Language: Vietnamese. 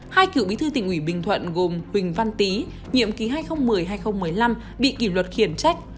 hai cựu bí thư tỉnh ủy bình thuận gồm huỳnh văn tý nhiệm ký hai nghìn một mươi hai nghìn một mươi năm bị kỷ luật khiển trách